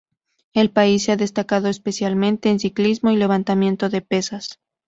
El país se ha destacado especialmente en ciclismo y levantamiento de pesas.